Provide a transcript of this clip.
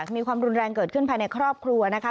มีความรุนแรงเกิดขึ้นภายในครอบครัวนะคะ